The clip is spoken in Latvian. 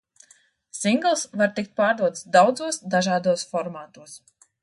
Singls var tikt pārdots daudzos dažādos formātos.